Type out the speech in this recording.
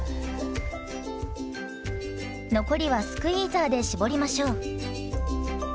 残りはスクイーザーで搾りましょう。